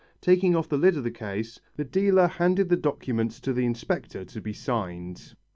Taking off the lid of the case, the dealer handed the documents to the inspector to be signed.